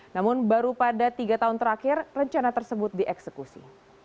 namun baru pada tiga tahun terakhir rencana tersebut dieksekusi